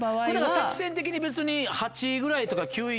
作戦的に別に８位ぐらいとか９位。